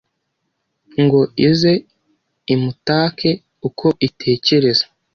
Ngo ize imutake uko itekereza ;